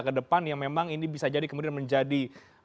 ke depan yang memang ini bisa jadi kemudian menjadi